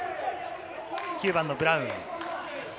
９番のブラウン。